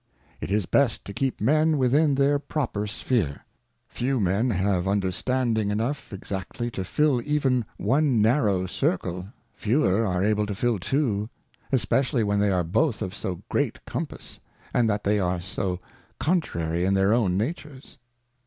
It is best to keep Men within their proper Sphere ; few Men have Understanding enough exactly to fill even one narrow Circle, fewer are able to fiU two ; especially when they are both of so great compass, and that they are so contrary in their own Natures.